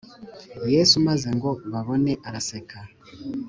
Yesu maze ngo babone araseka